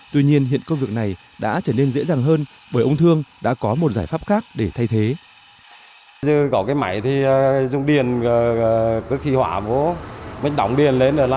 tuy nhiên hiện công việc này đã trở nên dễ dàng hơn bởi ông thương đã có một giải pháp khác để thay thế